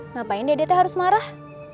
ngapain dedete harus marah